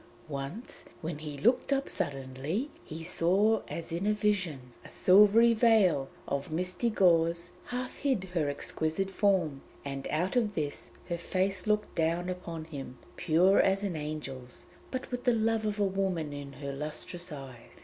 Once when he looked up suddenly he saw her as in a vision. A silvery veil of misty gauze half hid her exquisite form; and out of this her face looked down upon him, pure as an angel's, but with the love of a woman in her lustrous eyes.